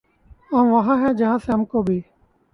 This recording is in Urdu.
ہم وہاں ہیں جہاں سے ہم کو بھی